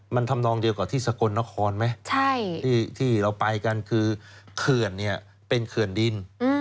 มันทำนองเดียวกับที่สกลนครไหมที่เราไปกันคือเขื่อนเนี่ยเป็นเขื่อนดิน